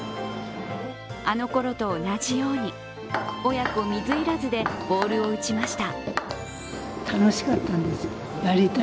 あのころと同じように親子水入らずでボールを打ちました。